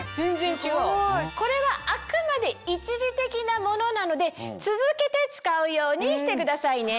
これはあくまで一時的なものなので続けて使うようにしてくださいね。